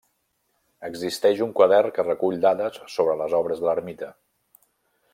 Existeix un quadern que recull dades sobre les obres de l'Ermita.